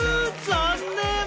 残念！